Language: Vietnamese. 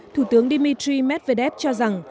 thủ tướng dmitry medvedev cho rằng